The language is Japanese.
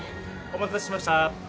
お待たせしました。